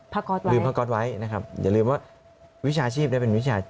ก๊อตไว้ลืมผ้าก๊อตไว้นะครับอย่าลืมว่าวิชาชีพได้เป็นวิชา